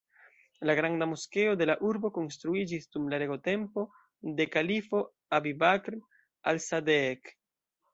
La granda moskeo de la urbo konstruiĝis dum la regotempo de kalifo "Abi-Bakr Al-Sadeek".